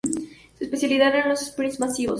Su especialidad eran los sprints masivos.